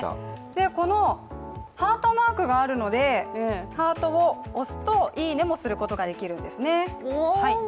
このハートマークがあるのでハートを押すといいねもすることができるんですね。